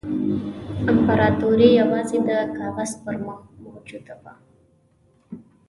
امپراطوري یوازې د کاغذ پر مخ موجوده وه.